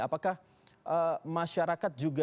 apakah masyarakat juga